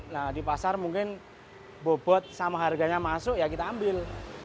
nah di pasar mungkin bobot sama harganya masuk ya kita ambil